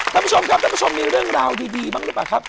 ท่านผู้ชมครับท่านผู้ชมมีเรื่องราวดีบ้างหรือเปล่าครับ